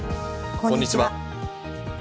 こんにちは。